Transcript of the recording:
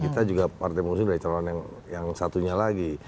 kita juga partai pengusung dari calon yang satunya lagi